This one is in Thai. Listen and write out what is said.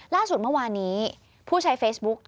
เมื่อวานี้ผู้ใช้เฟซบุ๊ก